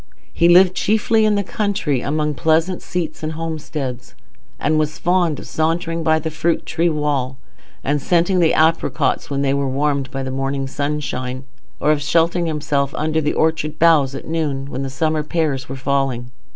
He lived chiefly in the country, among pleasant seats and homesteads, and was fond of sauntering by the fruit tree wall and scenting the apricots when they were warmed by the morning sunshine, or of sheltering himself under the orchard boughs at noon, when the summer pears were falling.